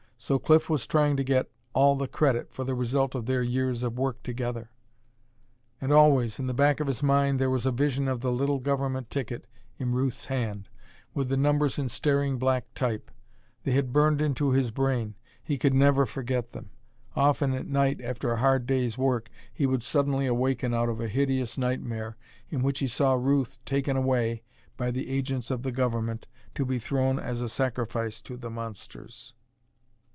So Cliff was trying to get all the credit for the result of their years of work together! And always, in the back of his mind, there was a vision of the little Government ticket in Ruth's hand, with the numbers in staring black type. They had burned into his brain. He could never forget them. Often at night, after a hard day's work, he would suddenly awaken out of a hideous nightmare, in which he saw Ruth taken away by the agents of the Government, to be thrown as a sacrifice to the monsters.